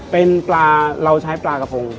เป็นปลาเราใช้ปลากระพง